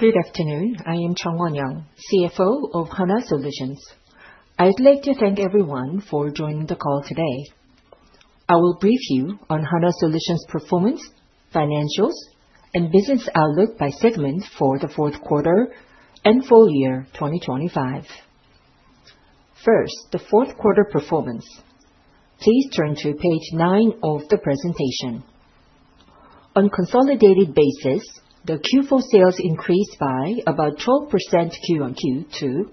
Good afternoon. I am Jeong Won-Young, CFO of Hanwha Solutions. I'd like to thank everyone for joining the call today. I will brief you on Hanwha Solutions' performance, financials, and business outlook by segment for the fourth quarter and full-year 2025. First, the fourth quarter performance. Please turn to page nine of the presentation. On consolidated basis, the Q4 sales increased by about 12% Q-o-Q to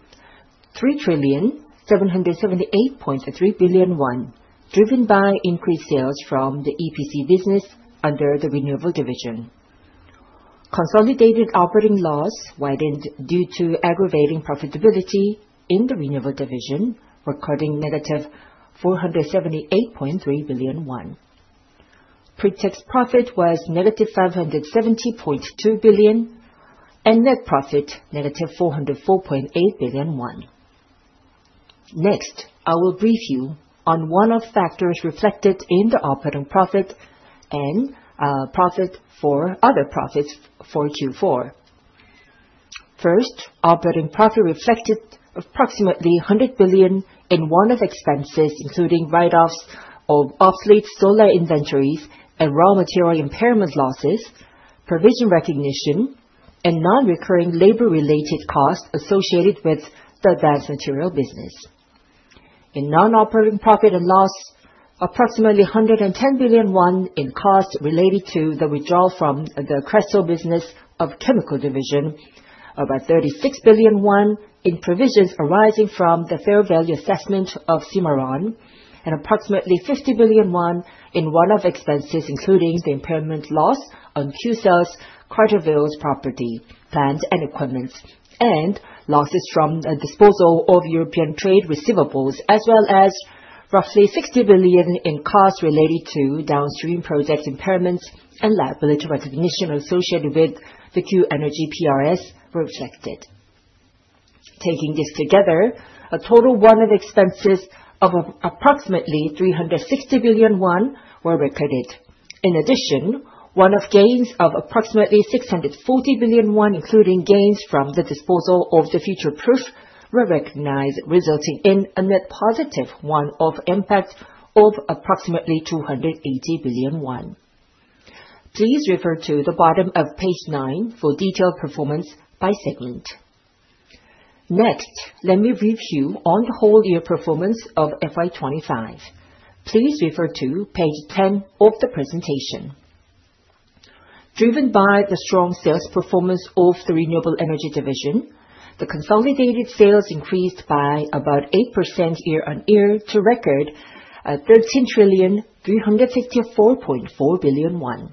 3,778.3 billion won, driven by increased sales from the EPC business under the Renewable Division. Consolidated operating loss widened due to aggravating profitability in the Renewable Division, recording -478.3 billion won. Pre-tax profit was -570.2 billion, and net profit -404.8 billion won. Next, I will brief you on one of the factors reflected in the operating profit and profit for other profits for Q4. First, operating profit reflected approximately 100 billion in one-off expenses, including write-offs of obsolete solar inventories and raw material impairment losses, provision recognition, and non-recurring labor-related costs associated with the advanced material business. In non-operating profit and loss, approximately 110 billion won in costs related to the withdrawal from the Cresol business of the Chemical Division, about 36 billion won in provisions arising from the fair value assessment of Cimarron, and approximately 50 billion won in one-off expenses, including the impairment loss on Qcells' Cartersville property, plant, and equipment, and losses from disposal of European trade receivables, as well as roughly 60 billion in costs related to downstream project impairments and liability recognition associated with the Q Energy PRS were reflected. Taking this together, a total of one-off expenses of approximately 360 billion won were recorded. In addition, one-off gains of approximately 640 billion won, including gains from the disposal of the Hanwha Futureproof, were recognized, resulting in a net positive one-off impact of approximately 280 billion won. Please refer to the bottom of page nine for detailed performance by segment. Next, let me brief you on the full year performance of FY25. Please refer to page 10 of the presentation. Driven by the strong sales performance of the Renewable Energy Division, the consolidated sales increased by about 8% year-over-year to record 13,354.4 billion won.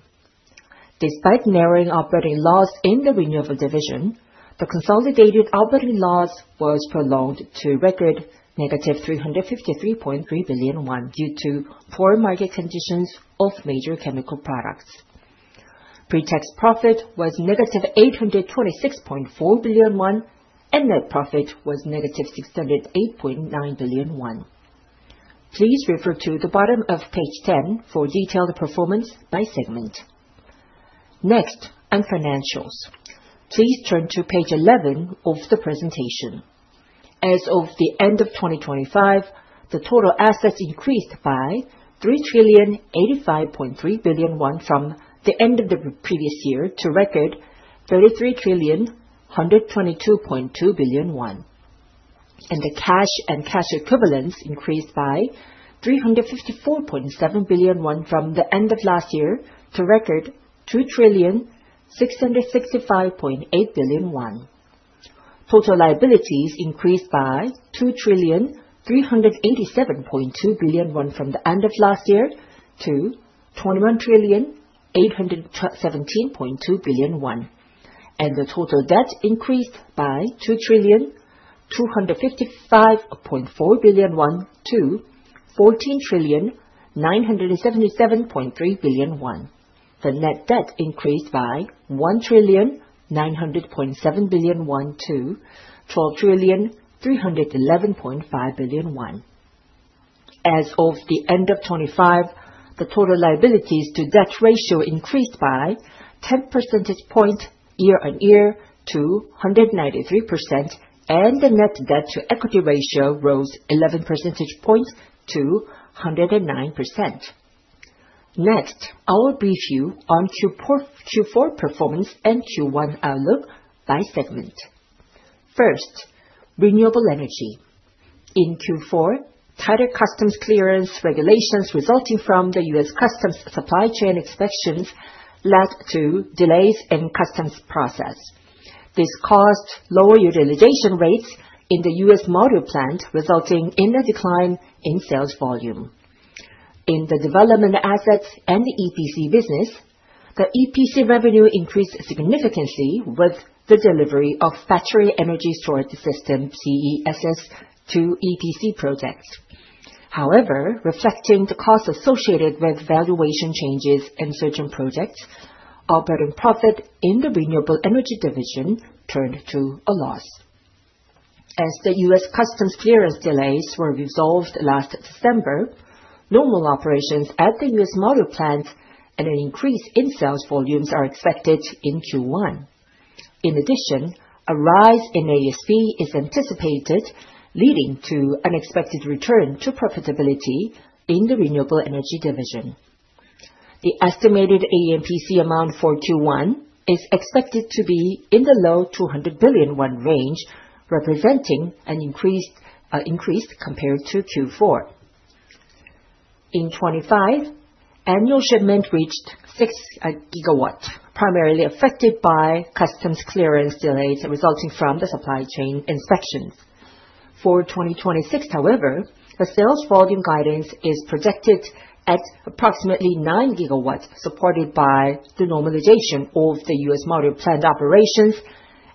Despite narrowing operating loss in the Renewable Division, the consolidated operating loss was prolonged to record -353.3 billion won due to poor market conditions of major chemical products. Pre-tax profit was -826.4 billion won, and net profit was -608.9 billion won. Please refer to the bottom of page 10 for detailed performance by segment. Next, on financials. Please turn to page 11 of the presentation. As of the end of 2025, the total assets increased by 3,085.3 billion won from the end of the previous year to record 33,122.2 billion won. The cash and cash equivalents increased by 354.7 billion won from the end of last year to record 2,665.8 billion won. Total liabilities increased by 2,387.2 billion won from the end of last year to 21,817.2 billion won. The total debt increased by 2,255.4 billion won to 14,977.3 billion won. The net debt increased by 1,900.7 billion won to 12,311.5 billion. As of the end of 2025, the total liabilities-to-debt ratio increased by 10 percentage points year-on-year to 193%, and the net debt-to-equity ratio rose 11 percentage points to 109%. Next, I will brief you on Q4 performance and Q1 outlook by segment. First, renewable energy. In Q4, tighter customs clearance regulations resulting from the U.S. customs supply chain inspections led to delays in customs process. This caused lower utilization rates in the U.S. module plant, resulting in a decline in sales volume. In the development assets and the EPC business, the EPC revenue increased significantly with the delivery of battery energy storage system BESS to EPC projects. However, reflecting the costs associated with valuation changes and certain projects, operating profit in the Renewable Energy Division turned to a loss. As the U.S. customs clearance delays were resolved last December, normal operations at the U.S. module plant and an increase in sales volumes are expected in Q1. In addition, a rise in ASP is anticipated, leading to an expected return to profitability in the Renewable Energy Division. The estimated AMPC amount for Q1 is expected to be in the low 200 billion won range, representing an increase compared to Q4. In 2025, annual shipment reached 6 GW, primarily affected by customs clearance delays resulting from the supply chain inspections. For 2026, however, the sales volume guidance is projected at approximately 9 GW, supported by the normalization of the U.S. module plant operations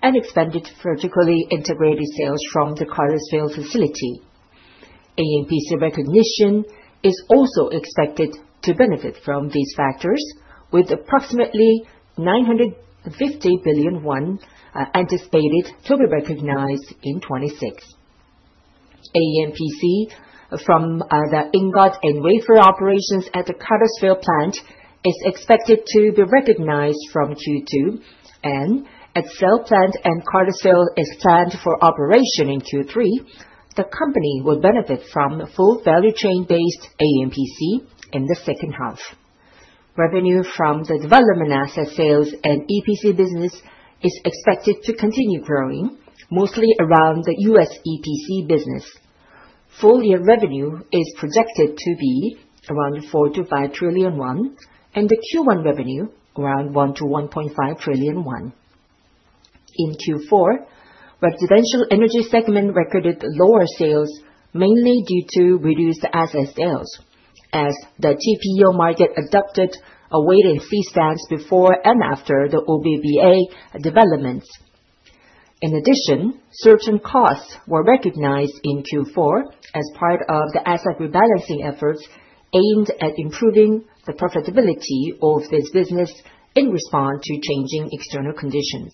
and expanded vertically integrated sales from the Cartersville facility. AMPC recognition is also expected to benefit from these factors, with approximately 950 billion won anticipated to be recognized in 2026. AMPC from the ingot and wafer operations at the Cartersville plant is expected to be recognized from Q2. And at cell plant and Cartersville is planned for operation in Q3, the company would benefit from full value chain-based AMPC in the second half. Revenue from the development asset sales and EPC business is expected to continue growing, mostly around the U.S. EPC business. Full-year revenue is projected to be around 4 trillion-5 trillion won, and the Q1 revenue around 1 trillion-1.5 trillion won. In Q4, Residential Energy segment recorded lower sales, mainly due to reduced asset sales, as the TPO market adopted a wait-and-see stance before and after the OBBA developments. In addition, certain costs were recognized in Q4 as part of the asset rebalancing efforts aimed at improving the profitability of this business in response to changing external conditions.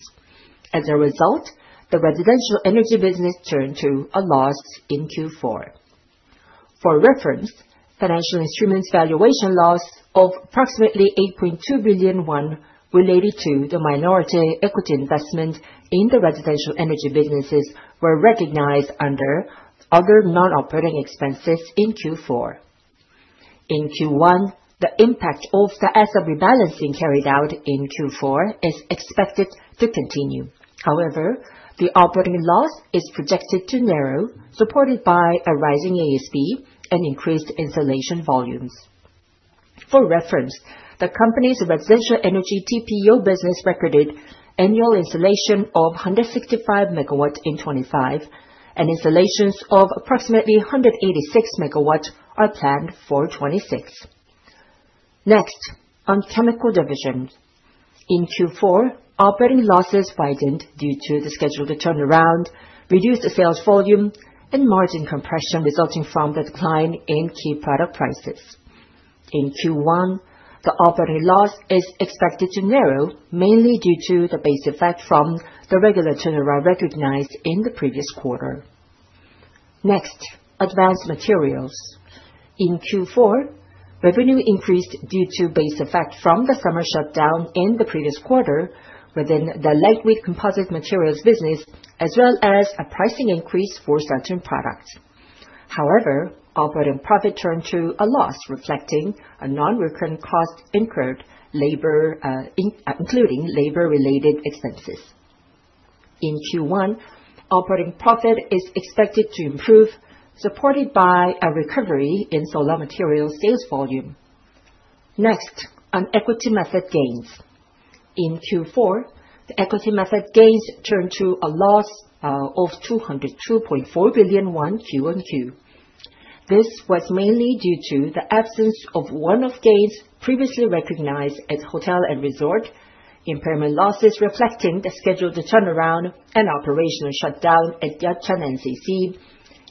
As a result, the Residential Energy business turned to a loss in Q4. For reference, financial instruments valuation loss of approximately 8.2 billion won related to the minority equity investment in the Residential Energy businesses were recognized under other non-operating expenses in Q4. In Q1, the impact of the asset rebalancing carried out in Q4 is expected to continue. However, the operating loss is projected to narrow, supported by a rising ASP and increased installation volumes. For reference, the company'sResidential Energy TPO business recorded annual installation of 165 MW in 2025, and installations of approximately 186 MW are planned for 2026. Next, on Chemical Division. In Q4, operating losses widened due to the scheduled turnaround, reduced sales volume, and margin compression resulting from the decline in key product prices. In Q1, the operating loss is expected to narrow, mainly due to the base effect from the regular turnaround recognized in the previous quarter. Next, Advanced Materials. In Q4, revenue increased due to base effect from the summer shutdown in the previous quarter within the lightweight composite materials business, as well as a pricing increase for certain products. However, operating profit turned to a loss, reflecting a non-recurring cost incurred, including labor-related expenses. In Q1, operating profit is expected to improve, supported by a recovery in solar materials sales volume. Next, on equity method gains. In Q4, the equity method gains turned to a loss of 202.4 billion won QoQ. This was mainly due to the absence of one-off gains previously recognized at hotel and resort, impairment losses reflecting the scheduled turnaround and operational shutdown at Yeochun NCC,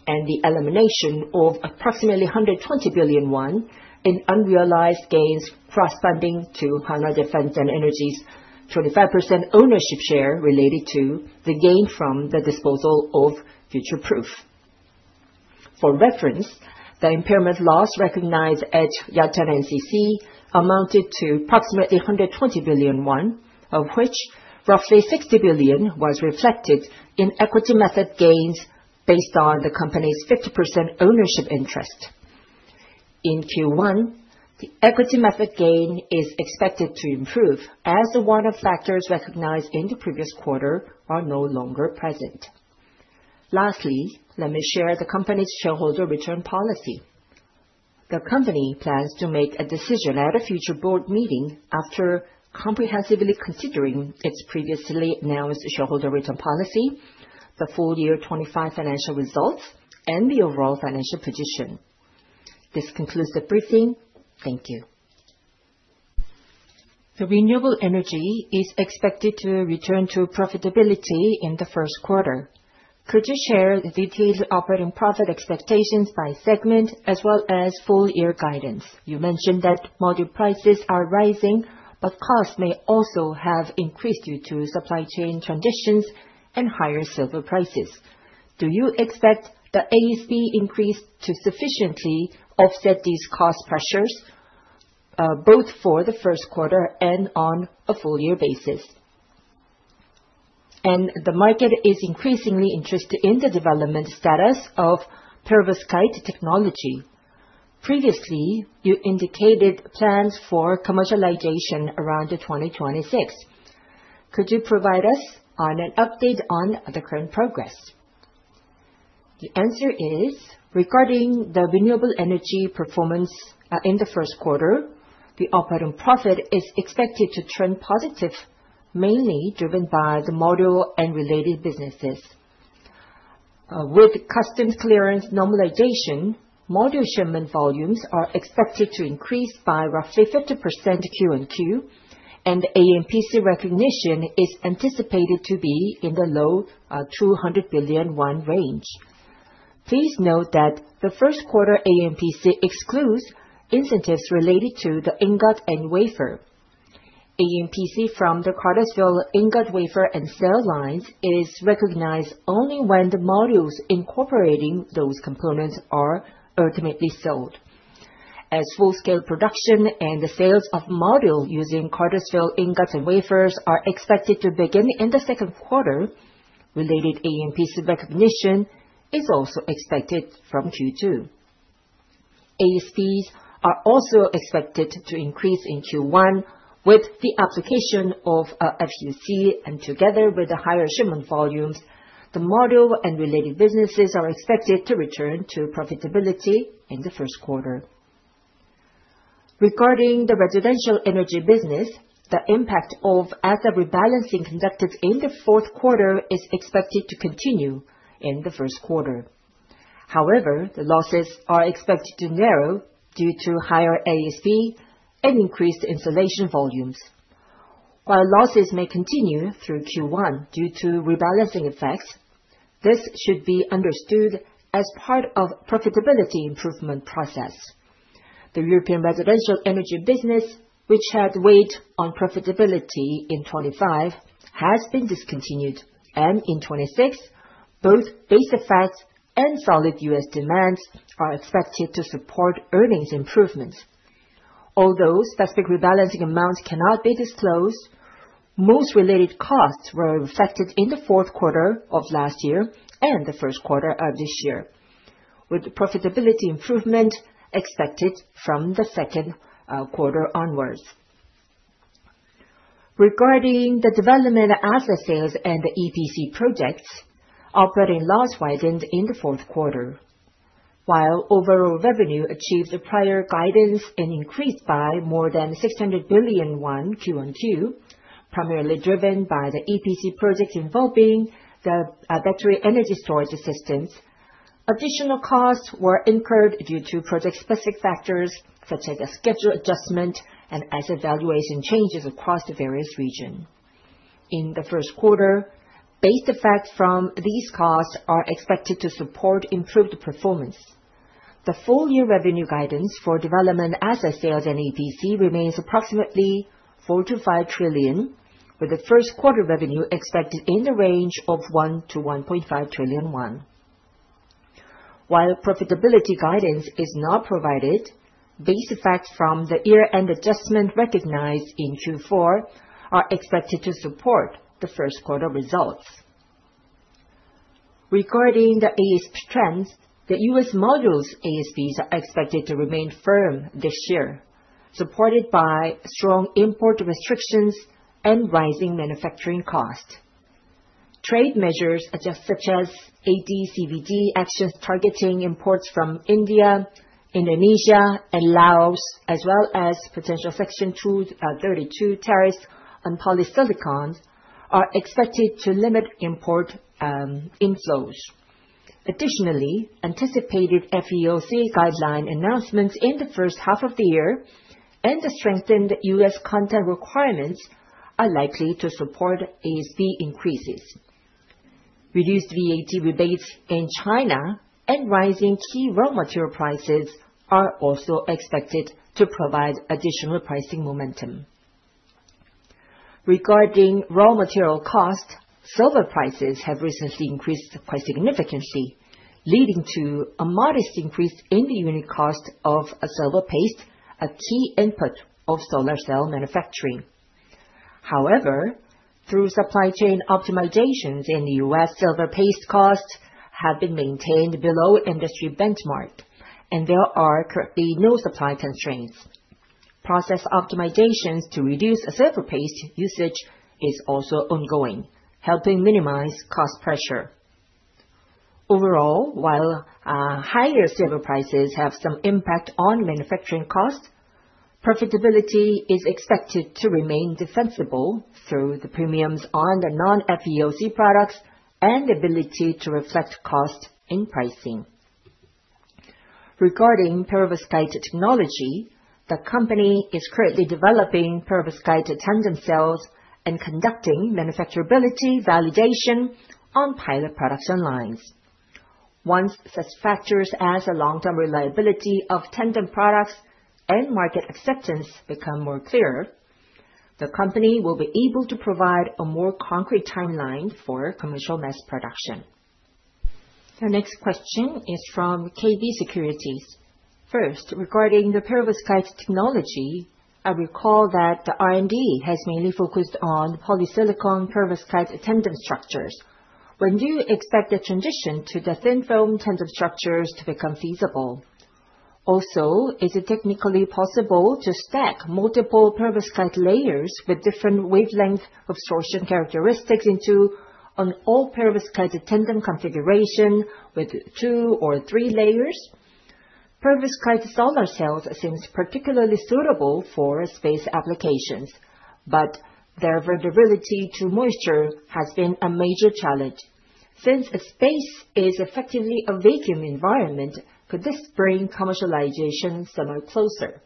and the elimination of approximately 120 billion won in unrealized gains corresponding to Hanwha Aerospace and Energy's 25% ownership share related to the gain from the disposal of Hanwha Futureproof. For reference, the impairment loss recognized at Yeochun NCC amounted to approximately 120 billion won, of which roughly 60 billion was reflected in equity method gains based on the company's 50% ownership interest. In Q1, the equity method gain is expected to improve, as one of the factors recognized in the previous quarter are no longer present. Lastly, let me share the company's shareholder return policy. The company plans to make a decision at a future board meeting after comprehensively considering its previously announced shareholder return policy, the full year 2025 financial results, and the overall financial position. This concludes the briefing. Thank you. The renewable energy is expected to return to profitability in the first quarter. Could you share the detailed operating profit expectations by segment, as well as full year guidance? You mentioned that module prices are rising, but costs may also have increased due to supply chain transitions and higher silver prices. Do you expect the ASP increase to sufficiently offset these cost pressures, both for the first quarter and on a full year basis? The market is increasingly interested in the development status of Perovskite technology. Previously, you indicated plans for commercialization around 2026. Could you provide us an update on the current progress? The answer is, regarding the renewable energy performance in the first quarter, the operating profit is expected to turn positive, mainly driven by the module and related businesses. With customs clearance normalization, module shipment volumes are expected to increase by roughly 50% Q1Q, and the AMPC recognition is anticipated to be in the low 200 billion won range. Please note that the first quarter AMPC excludes incentives related to the ingot and wafer. AMPC from the Cartersville ingot, wafer, and cell lines is recognized only when the modules incorporating those components are ultimately sold. As full-scale production and the sales of modules using Cartersville ingots and wafers are expected to begin in the second quarter, related AMPC recognition is also expected from Q2. ASPs are also expected to increase in Q1 with the application of FEOC, and together with the higher shipment volumes, the module and related businesses are expected to return to profitability in the first quarter. Regarding the Residential Energy business, the impact of asset rebalancing conducted in the fourth quarter is expected to continue in the first quarter. However, the losses are expected to narrow due to higher ASP and increased installation volumes. While losses may continue through Q1 due to rebalancing effects, this should be understood as part of profitability improvement process. The European Residential Energy business, which had weight on profitability in 2025, has been discontinued. In 2026, both base effects and solid U.S. demands are expected to support earnings improvements. Although specific rebalancing amounts cannot be disclosed, most related costs were reflected in the fourth quarter of last year and the first quarter of this year, with profitability improvement expected from the second quarter onwards. Regarding the development asset sales and the EPC projects, operating loss widened in the fourth quarter. While overall revenue achieved prior guidance and increased by more than 600 billion won Q-o-Q, primarily driven by the EPC projects involving the battery energy storage systems, additional costs were incurred due to project-specific factors such as a schedule adjustment and asset valuation changes across the various regions. In the first quarter, base effects from these costs are expected to support improved performance. The full-year revenue guidance for development asset sales and EPC remains approximately 4 trillion-5 trillion, with the first quarter revenue expected in the range of 1 trillion-1.5 trillion won. While profitability guidance is not provided, base effects from the year-end adjustment recognized in Q4 are expected to support the first quarter results. Regarding the ASP trends, the U.S. modules' ASPs are expected to remain firm this year, supported by strong import restrictions and rising manufacturing costs. Trade measures such as AD/CVD actions targeting imports from India, Indonesia, and Laos, as well as potential Section 232 tariffs on polysilicons, are expected to limit import inflows. Additionally, anticipated FEOC guideline announcements in the first half of the year and the strengthened U.S. content requirements are likely to support ASP increases. Reduced VAT rebates in China and rising key raw material prices are also expected to provide additional pricing momentum. Regarding raw material costs, silver prices have recently increased quite significantly, leading to a modest increase in the unit cost of silver paste, a key input of solar cell manufacturing. However, through supply chain optimizations, the U.S. silver paste costs have been maintained below industry benchmark, and there are currently no supply constraints. Process optimizations to reduce silver paste usage are also ongoing, helping minimize cost pressure. Overall, while higher silver prices have some impact on manufacturing costs, profitability is expected to remain defensible through the premiums on the non-FEOC products and the ability to reflect cost in pricing. Regarding perovskite technology, the company is currently developing perovskite tandem cells and conducting manufacturability validation on pilot production lines. Once such factors as the long-term reliability of tandem products and market acceptance become more clear, the company will be able to provide a more concrete timeline for commercial mass production. The next question is from KB Securities. First, regarding the perovskite technology, I recall that the R&D has mainly focused on polysilicon perovskite tandem structures. When do you expect the transition to the thin-film tandem structures to become feasible? Also, is it technically possible to stack multiple perovskite layers with different wavelength absorption characteristics into an all-perovskite tandem configuration with two or three layers? Perovskite solar cells seem particularly suitable for space applications, but their vulnerability to moisture has been a major challenge. Since space is effectively a vacuum environment, could this bring commercialization somewhat closer?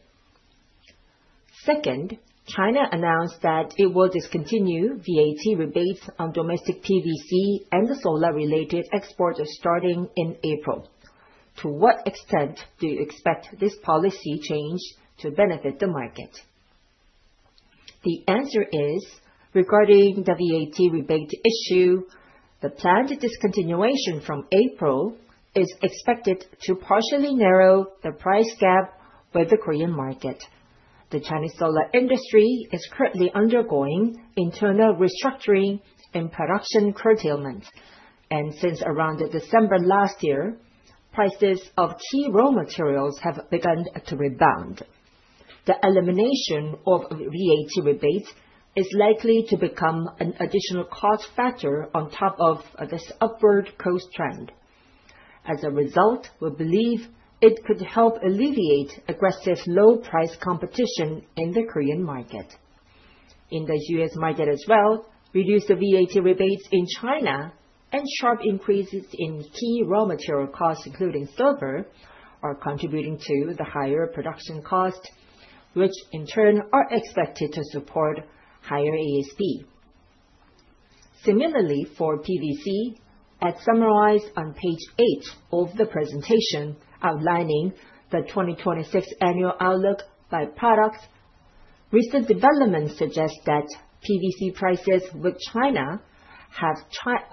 Second, China announced that it will discontinue VAT rebates on domestic PVC and the solar-related exports starting in April. To what extent do you expect this policy change to benefit the market? The answer is, regarding the VAT rebate issue, the planned discontinuation from April is expected to partially narrow the price gap with the Korean market. The Chinese solar industry is currently undergoing internal restructuring and production curtailments. And since around December last year, prices of key raw materials have begun to rebound. The elimination of VAT rebates is likely to become an additional cost factor on top of this upward growth trend. As a result, we believe it could help alleviate aggressive low-price competition in the Korean market. In the US market as well, reduced VAT rebates in China and sharp increases in key raw material costs, including silver, are contributing to the higher production costs, which in turn are expected to support higher ASP. Similarly, for PVC, as summarized on page eight of the presentation outlining the 2026 annual outlook by products, recent developments suggest that PVC prices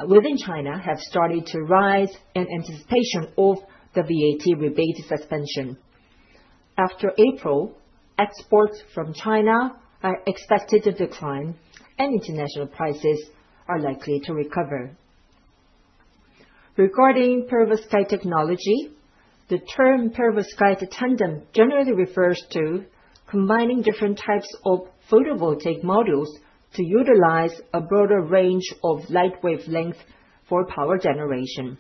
within China have started to rise in anticipation of the VAT rebate suspension. After April, exports from China are expected to decline, and international prices are likely to recover. Regarding perovskite technology, the term perovskite tandem generally refers to combining different types of photovoltaic modules to utilize a broader range of light wavelengths for power generation.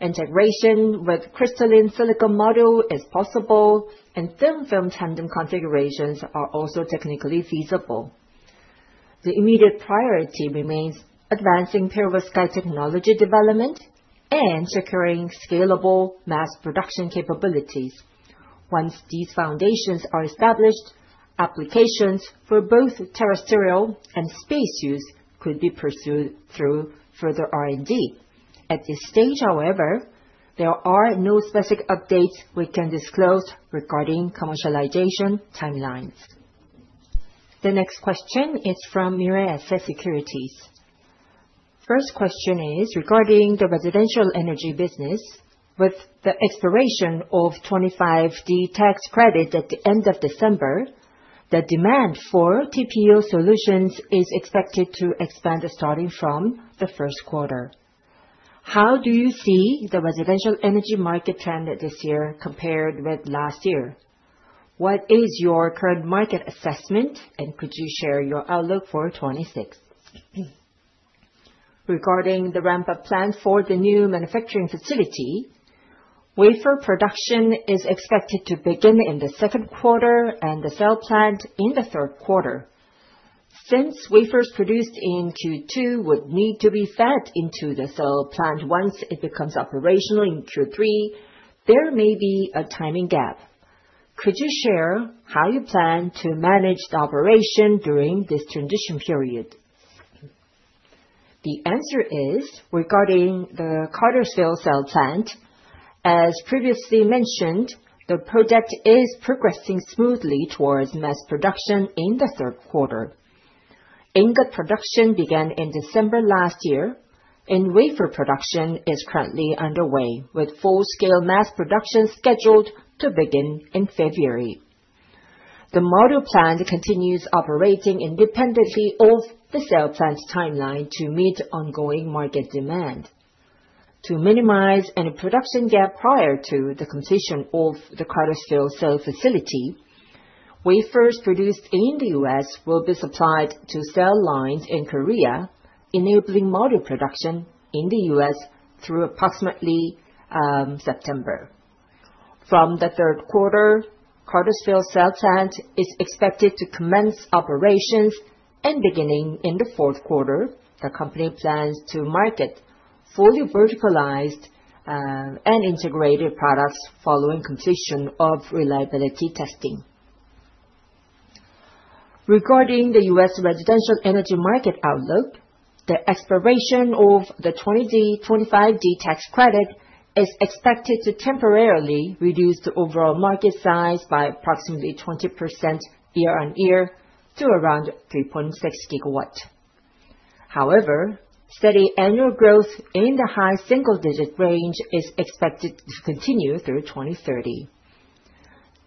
Integration with crystalline silicon modules is possible, and thin-film tandem configurations are also technically feasible. The immediate priority remains advancing perovskite technology development and securing scalable mass production capabilities. Once these foundations are established, applications for both terrestrial and space use could be pursued through further R&D. At this stage, however, there are no specific updates we can disclose regarding commercialization timelines. The next question is from Mirae Asset Securities. First question is regarding the Residential Energy business. With the expiration of 25D tax credit at the end of December, the demand for TPO solutions is expected to expand starting from the first quarter. How do you see the Residential Energy market trend this year compared with last year? What is your current market assessment, and could you share your outlook for 2026? Regarding the ramp-up plan for the new manufacturing facility, wafer production is expected to begin in the second quarter and the cell plant in the third quarter. Since wafers produced in Q2 would need to be fed into the cell plant once it becomes operational in Q3, there may be a timing gap. Could you share how you plan to manage the operation during this transition period? The answer is regarding the Cartersville cell plant. As previously mentioned, the project is progressing smoothly towards mass production in the third quarter. Ingot production began in December last year, and wafer production is currently underway, with full-scale mass production scheduled to begin in February. The module plant continues operating independently of the cell plant timeline to meet ongoing market demand. To minimize any production gap prior to the completion of the Cartersville cell facility, wafers produced in the U.S. will be supplied to cell lines in Korea, enabling module production in the U.S. through approximately September. From the third quarter, Cartersville cell plant is expected to commence operations beginning in the fourth quarter. The company plans to market fully verticalized and integrated products following completion of reliability testing. Regarding the US Residential Energy market outlook, the expiration of the 20D/25D tax credit is expected to temporarily reduce the overall market size by approximately 20% year-on-year to around 3.6 GW. However, steady annual growth in the high single-digit range is expected to continue through 2030.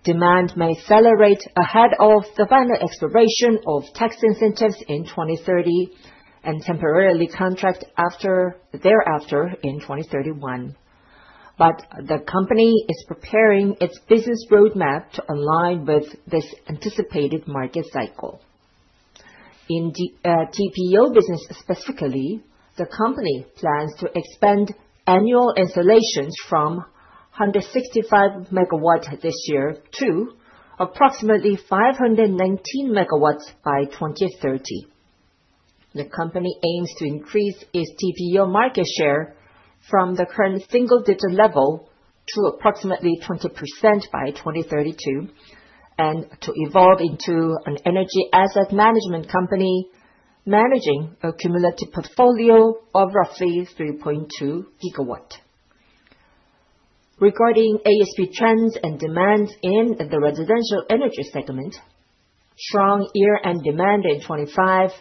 Demand may accelerate ahead of the final expiration of tax incentives in 2030 and temporarily contract thereafter in 2031. But the company is preparing its business roadmap to align with this anticipated market cycle. In TPO business specifically, the company plans to expand annual installations from 165 MW this year to approximately 519 MW by 2030. The company aims to increase its TPO market share from the current single-digit level to approximately 20% by 2032 and to evolve into an energy asset management company managing a cumulative portfolio of roughly 3.2 GW. Regarding ASP trends and demands in the Residential Energy segment, strong year-end demand in 2025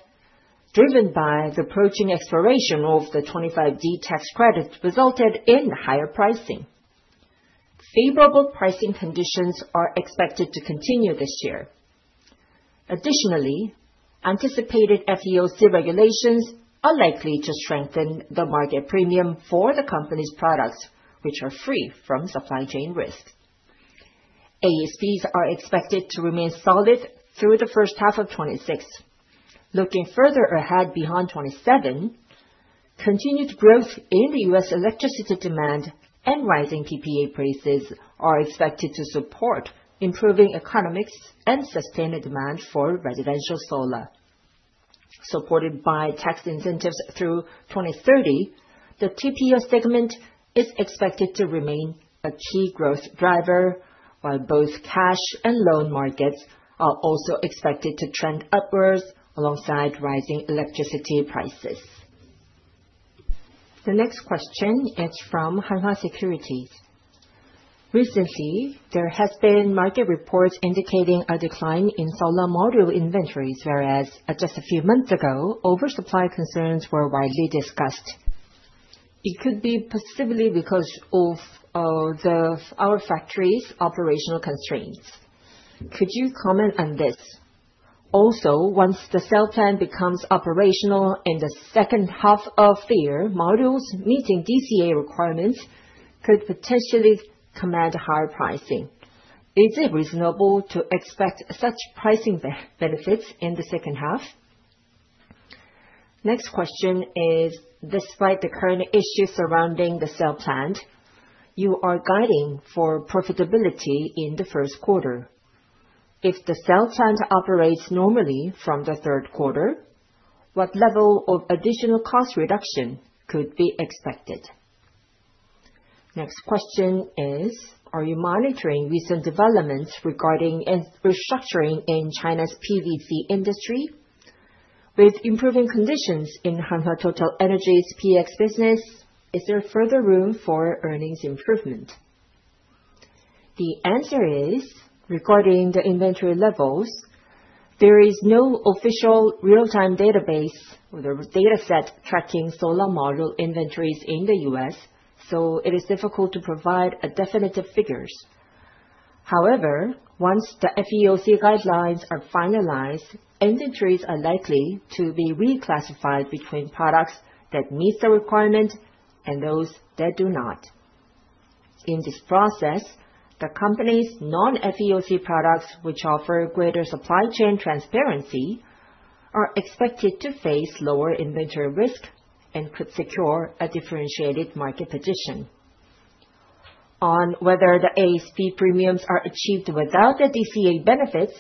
driven by the approaching expiration of the 25D tax credit resulted in higher pricing. Favorable pricing conditions are expected to continue this year. Additionally, anticipated FEOC regulations are likely to strengthen the market premium for the company's products, which are free from supply chain risk. ASPs are expected to remain solid through the first half of 2026. Looking further ahead beyond 2027, continued growth in the U.S. electricity demand and rising PPA prices are expected to support improving economics and sustained demand for residential solar. Supported by tax incentives through 2030, the TPO segment is expected to remain a key growth driver, while both cash and loan markets are also expected to trend upwards alongside rising electricity prices. The next question is from Hanwha Securities. Recently, there have been market reports indicating a decline in solar module inventories, whereas just a few months ago, oversupply concerns were widely discussed. It could be possibly because of our factory's operational constraints. Could you comment on this? Also, once the cell plant becomes operational in the second half of the year, modules meeting DCA requirements could potentially command higher pricing. Is it reasonable to expect such pricing benefits in the second half? Next question is, despite the current issues surrounding the cell plant, you are guiding for profitability in the first quarter. If the cell plant operates normally from the third quarter, what level of additional cost reduction could be expected? Next question is, are you monitoring recent developments regarding restructuring in China's PVC industry? With improving conditions in Hanwha TotalEnergies's PX business, is there further room for earnings improvement? The answer is, regarding the inventory levels, there is no official real-time database or dataset tracking solar module inventories in the U.S., so it is difficult to provide definitive figures. However, once the FEOC guidelines are finalized, inventories are likely to be reclassified between products that meet the requirement and those that do not. In this process, the company's non-FEOC products, which offer greater supply chain transparency, are expected to face lower inventory risk and could secure a differentiated market position. On whether the ASP premiums are achieved without the DCA benefits,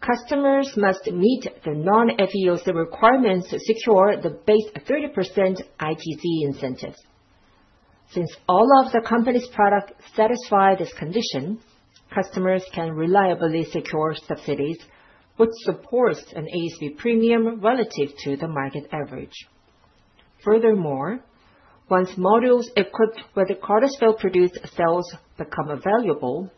customers must meet the non-FEOC requirements to secure the base 30% ITC incentives. Since all of the company's products satisfy this condition, customers can reliably secure subsidies, which supports an ASP premium relative to the market average. Furthermore, once modules equipped with Cartersville-produced cells become available,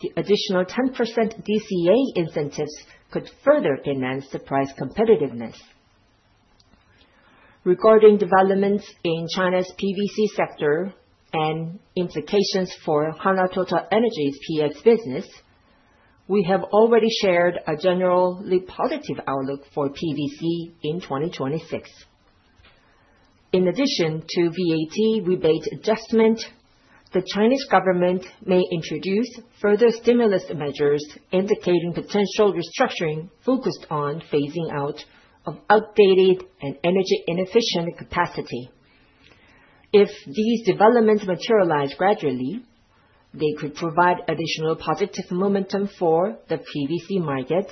the additional 10% DCA incentives could further enhance the price competitiveness. Regarding developments in China's PVC sector and implications for Hanwha TotalEnergies's PX business, we have already shared a generally positive outlook for PVC in 2026. In addition to VAT rebate adjustment, the Chinese government may introduce further stimulus measures indicating potential restructuring focused on phasing out of outdated and energy-inefficient capacity. If these developments materialize gradually, they could provide additional positive momentum for the PVC market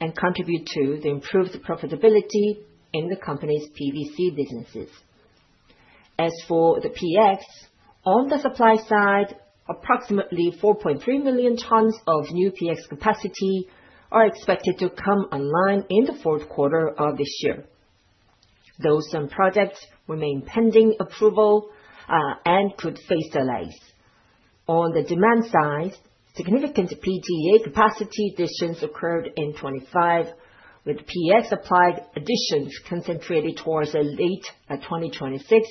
and contribute to the improved profitability in the company's PVC businesses. As for the PX, on the supply side, approximately 4.3 million tons of new PX capacity are expected to come online in the fourth quarter of this year. Though some projects remain pending approval and could face delays. On the demand side, significant PTA capacity additions occurred in 2025, with PX supply additions concentrated towards late 2026.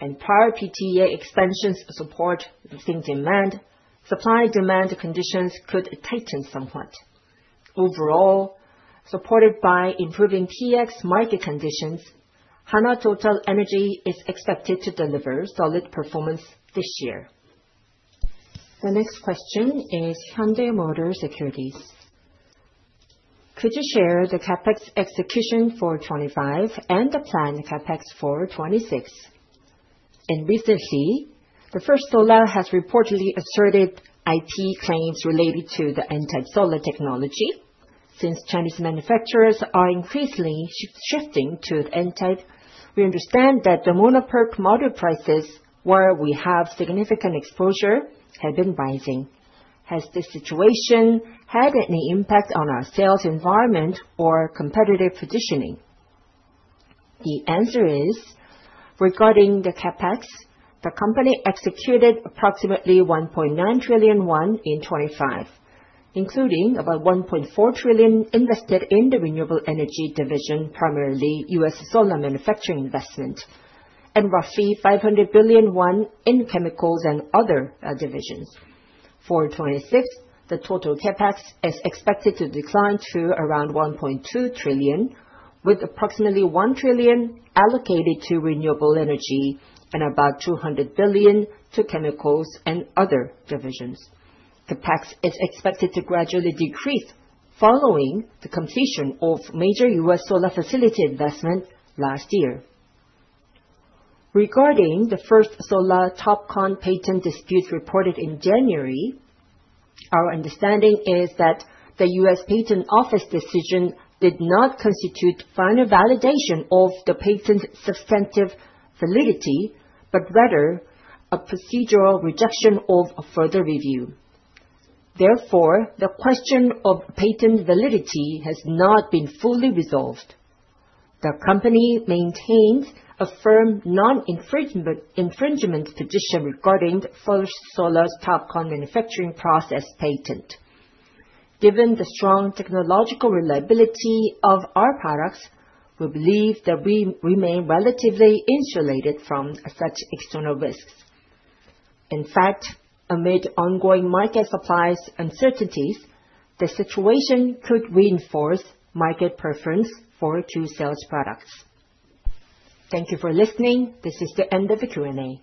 And prior PTA expansions support sink demand, supply demand conditions could tighten somewhat. Overall, supported by improving PX market conditions, Hanwha TotalEnergies is expected to deliver solid performance this year. The next question is Hyundai Motor Securities. Could you share the CapEx execution for 2025 and the planned CapEx for 2026? And recently, First Solar has reportedly asserted IP claims related to the TOPCon technology. Since Chinese manufacturers are increasingly shifting to the TOPCon, we understand that the Mono PERC module prices, where we have significant exposure, have been rising. Has this situation had any impact on our sales environment or competitive positioning? The answer is, regarding the CapEx, the company executed approximately 1.9 trillion won in 2025, including about 1.4 trillion invested in the renewable energy division, primarily U.S. solar manufacturing investment, and roughly 500 billion won in chemicals and other divisions. For 2026, the total CapEx is expected to decline to around 1.2 trillion, with approximately 1 trillion allocated to renewable energy and about 200 billion to chemicals and other divisions. CapEx is expected to gradually decrease following the completion of major U.S. solar facility investment last year. Regarding the First Solar TOPCon patent dispute reported in January, our understanding is that the U.S. Patent Office decision did not constitute final validation of the patent's substantive validity, but rather a procedural rejection of further review. Therefore, the question of patent validity has not been fully resolved. The company maintains a firm non-infringement position regarding the First Solar TOPCon manufacturing process patent. Given the strong technological reliability of our products, we believe that we remain relatively insulated from such external risks. In fact, amid ongoing market supply uncertainties, the situation could reinforce market preference for Qcells products. Thank you for listening. This is the end of the Q&A.